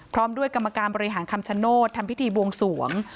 พร้อมด้วยกรรมการบริหารคำชโนธทำพิธีบวงสวง